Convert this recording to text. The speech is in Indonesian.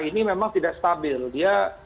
ini memang tidak stabil dia